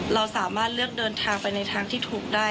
เราสามารถเลือกเดินทางไปในทางที่ถูกได้